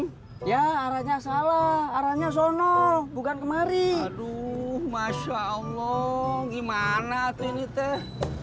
ya arahnya salah arahnya sono bukan kemari aduh masya allah gimana tuh ini teh